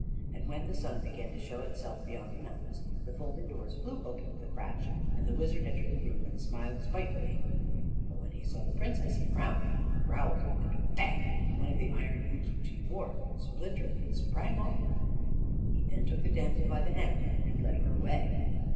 And when the sun began to show itself beyond the mountains, the folding doors flew open with a crash, and the wizard entered the room and smiled spitefully; but when he saw the princess he frowned, growled, and bang! one of the iron hoops which he wore splintered and sprang off him. He then took the damsel by the hand and led her away.